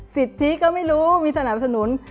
สิทธิก็ไม่รู้มีสนับสนุน